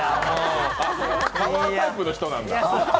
パワータイプの人なんだ。